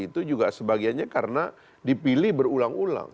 itu juga sebagiannya karena dipilih berulang ulang